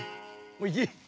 おいしい！